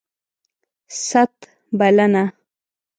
ست ... بلنه